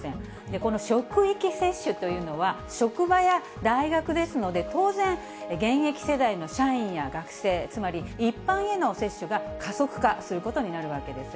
この職域接種というのは、職場や大学ですので、当然、現役世代の社員や学生、つまり一般への接種が加速化することになるわけです。